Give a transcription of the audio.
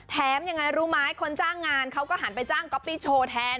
ยังไงรู้ไหมคนจ้างงานเขาก็หันไปจ้างก๊อปปี้โชว์แทน